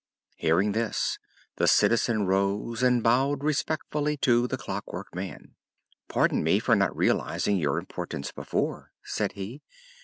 Hearing this, the Citizen rose and bowed respectfully to the Clockwork Man. "Pardon me for not realizing your importance before," said he.